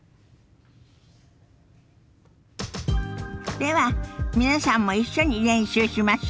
では皆さんも一緒に練習しましょ。